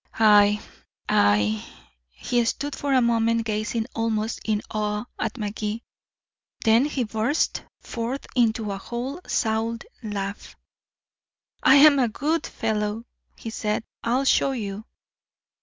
I I " He stood for a moment gazing almost in awe at Magee. Then he burst forth into a whole souled laugh. "I am a good fellow," he said. "I'll show you."